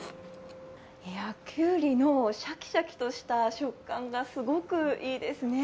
きゅうりのシャキシャキとした食感がすごくいいですね。